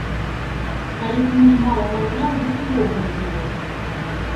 Калі б муж мала зарабляў, дык увогуле было б!